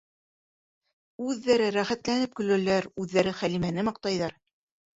Үҙҙәре рәхәтләнеп көләләр, үҙҙәре Хәлимәне маҡтайҙар.